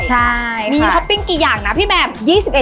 ใช่มีท็อปปิ้งกี่อย่างนะพี่แมม๒๑